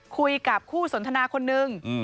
คุยกับคู่สนทนาคนนึง